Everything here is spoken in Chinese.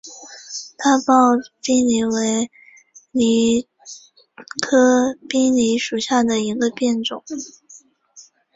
大苞滨藜为藜科滨藜属下的一个变种。